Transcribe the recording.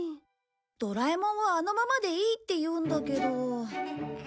ドラえもんはあのままでいいって言うんだけど。